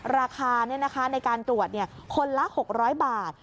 ราคาในการตรวจคนละ๖๐๐บาท